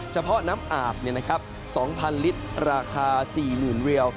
เฉพาะน้ำอาบเนี่ยนะครับ๒๐๐๐ลิตรราคา๔๐๐๐๐เวล